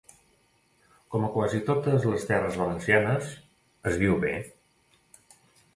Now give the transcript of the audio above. Com a quasi totes les terres valencianes, es viu bé.